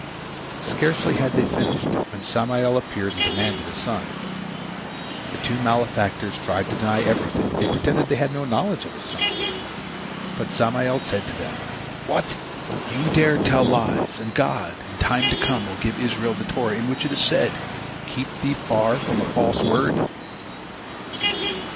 Scarcely had they finished, when Samael appeared and demanded his son. The two malefactors tried to deny everything; they pretended they had no knowledge of his son. But Samael said to them: "What! You dare tell lies, and God in times to come will give Israel the Torah in which it is said, 'Keep thee far from a false word'?"